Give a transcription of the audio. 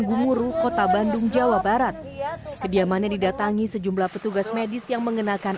gumuru kota bandung jawa barat kediamannya didatangi sejumlah petugas medis yang mengenakan